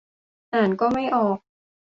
อ่านก็ไม่ออก